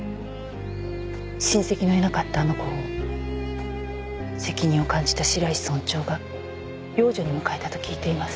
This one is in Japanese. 親戚のいなかったあの子を責任を感じた白石村長が養女に迎えたと聞いています。